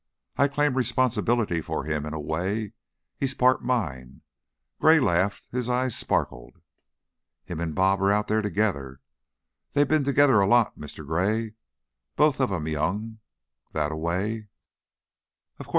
I claim responsibility for him, in a way. He's part mine." Gray laughed; his eyes sparkled. "Him and 'Bob' are out there together. They've been together a lot, Mr. Gray. Both of 'em young, that away " "Of course.